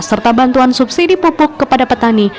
serta bantuan subsidi pupuk kepada petani